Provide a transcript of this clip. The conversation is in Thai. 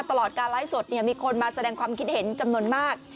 ตลอดการไลฟ์สดมีคนมาแสดงความคิดเห็นจำนวนมาก